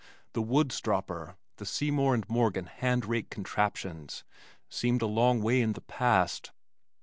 The Woods Dropper, the Seymour and Morgan hand rake "contraptions" seemed a long way in the past.